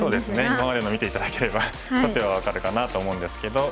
今までのを見て頂ければ初手は分かるかなと思うんですけど。